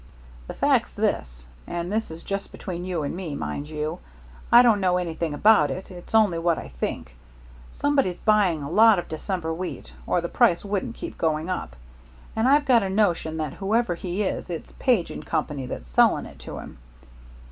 "The fact's this, and this is just between you and me, mind you; I don't know anything about it, it's only what I think, somebody's buying a lot of December wheat, or the price wouldn't keep going up. And I've got a notion that, whoever he is, it's Page & Company that's selling it to him.